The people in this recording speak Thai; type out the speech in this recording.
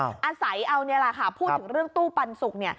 อาศัยเอานี่แหละค่ะพูดถึงเรื่องตู้ปันสุก